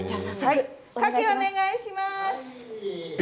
かきお願いします！